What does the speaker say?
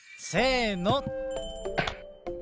せの！